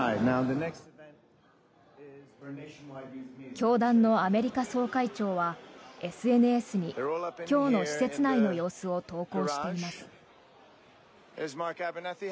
教団のアメリカ総会長はＳＮＳに今日の施設内の様子を投稿しています。